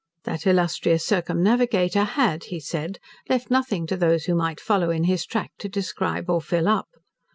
That illustrious circumnavigator had, he said, left nothing to those who might follow in his track to describe, or fill up.